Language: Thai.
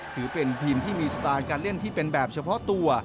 ถือเป็นทีมที่มีสไตล์การเล่นที่เป็นแบบเฉพาะตัว